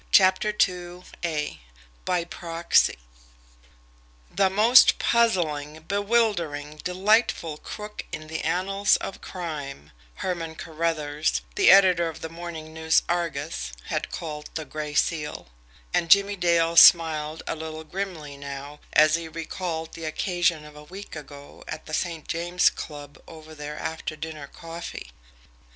CHAPTER II BY PROXY "The most puzzling bewildering, delightful crook in the annals of crime," Herman Carruthers, the editor of the MORNING NEWS ARGUS, had called the Gray Seal; and Jimmie Dale smiled a little grimly now as he recalled the occasion of a week ago at the St. James Club over their after dinner coffee.